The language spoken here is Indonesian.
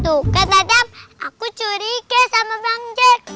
tuh kan adam aku curiga sama bang jack